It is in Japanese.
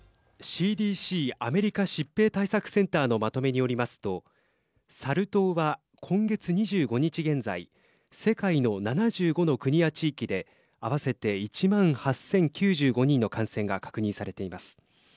ＣＤＣ＝アメリカ疾病対策センターのまとめによりますとサル痘は、今月２５日現在世界の７５の国や地域で合わせて１万８０９５人の感染が確認されています。